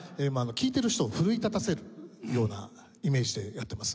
聴いている人を奮い立たせるようなイメージでやってます。